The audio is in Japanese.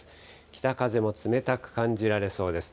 北風も冷たく感じられそうです。